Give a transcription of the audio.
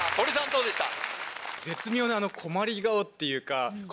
どうでした？